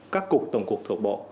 các cục tổng cục thuộc bộ